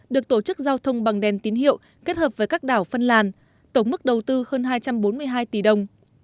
được tổ chức giao thông bằng đèn tín hiệu kết hợp với các đảo phân làn tổng mức đầu tư hơn hai trăm bốn mươi hai tỷ đồng